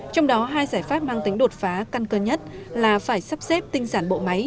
trong đó hai giải pháp mang tính đột phá căn cơ nhất là phải sắp xếp tinh giản bộ máy